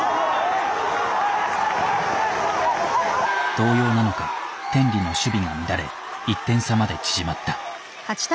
動揺なのか天理の守備が乱れ１点差まで縮まった。